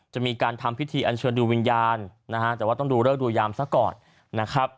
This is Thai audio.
จะมีการทำพิธีอัญชวนดูวิญญาณแต่ว่าต้องดูเริ่มดูยามซะก่อน